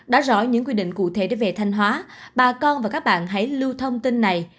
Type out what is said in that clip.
đã rõ những quy định cụ thể để về thanh hóa bà con và các bạn hãy lưu thông tin này